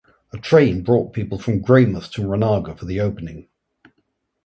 A train brought people from Greymouth to Runanga for the opening.